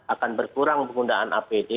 akan berkurang penggunaan apd